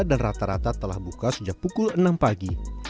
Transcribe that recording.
dan rata rata telah buka sejak pukul enam pagi